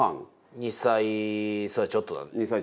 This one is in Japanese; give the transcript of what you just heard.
２歳そうだねちょっとだね。